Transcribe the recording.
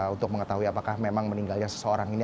untuk mengetahui apakah memang meninggalnya seseorang ini